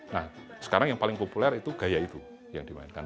nah sekarang yang paling populer itu gaya ibu yang dimainkan